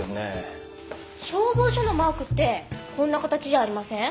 消防署のマークってこんな形じゃありません？